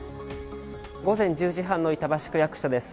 午前１０時半の板橋区役所です。